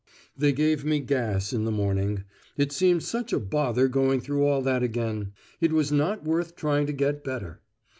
They gave me gas in the morning. It seemed such a bother going through all that again: it was not worth trying to get better.